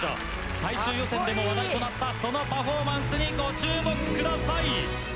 最終予選でも話題となったそのパフォーマンスにご注目ください。